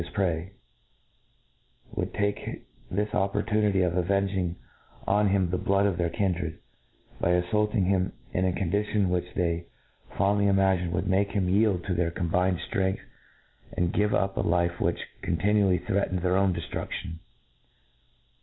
his prey, would take this oppor tunity of avenging on him the blood of tHeiif kindred, by faulting him in a Condition which they fondly imagined would make him yield to ithcir combined ftrength, and ^ve up a life which ' pjntinually threatened their own deftruAion.